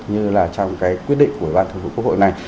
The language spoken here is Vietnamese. như là trong cái quyết định của bản thân của quốc hội này